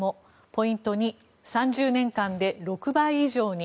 ポイント２３０年間で６倍以上に。